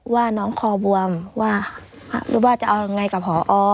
ว่าน้องคอบวมว่ารู้ว่าจะเอายังไงกับพอ